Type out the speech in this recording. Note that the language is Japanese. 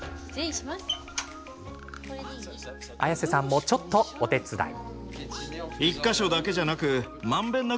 綾瀬さんも、ちょっとお手伝い。